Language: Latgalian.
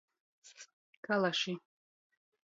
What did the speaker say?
Kalaši.